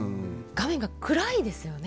画面が暗いですよね。